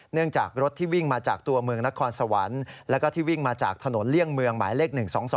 เนื่องจากรถที่วิ่งมาจากตัวเมืองนครสวรรค์แล้วก็ที่วิ่งมาจากถนนเลี่ยงเมืองหมายเลข๑๒๒